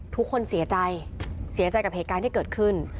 ทุกคนเสียใจเสียใจกับเหตุการณ์ที่เกิดขึ้น